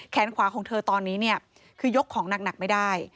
ขวาของเธอตอนนี้เนี่ยคือยกของหนักไม่ได้